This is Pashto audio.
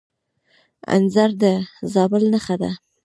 انځر د زابل نښه ده.